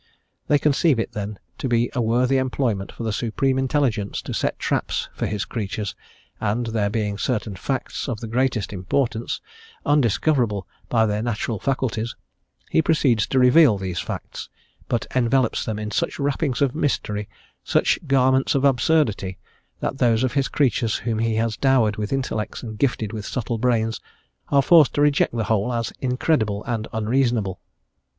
They conceive it, then, to be a worthy employment for the Supreme Intelligence to set traps for His creatures; and, there being certain facts of the greatest importance, undis coverable by their natural faculties, He proceeds to reveal these facts, but envelopes them in such wrappings of mystery, such garments of absurdity, that those of His creatures whom he has dowered with intellects and gifted with subtle brains, are forced to reject the whole as incredible and unreasonable.